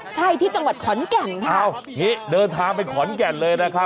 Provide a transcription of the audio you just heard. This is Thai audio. ใช่ที่จังหวัดขอนแก่นค่ะเอางี้เดินทางไปขอนแก่นเลยนะครับ